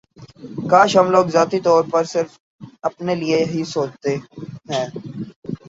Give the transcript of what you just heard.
کاش ہم لوگ ذاتی طور پر صرف اپنے لیے ہی سوچتے ہیں